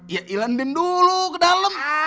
yaelah ndin dulu ke dalem